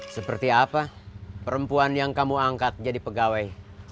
seperti apa perempuan yang kamu angkat jadi pegawai